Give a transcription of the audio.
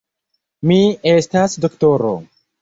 Mi estas doktoro.